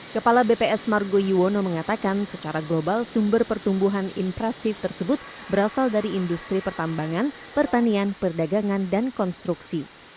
kepala bps margo yuwono mengatakan secara global sumber pertumbuhan impresif tersebut berasal dari industri pertambangan pertanian perdagangan dan konstruksi